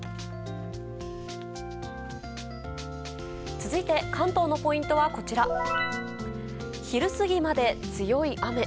続いて、関東のポイントはこちら昼過ぎまで強い雨。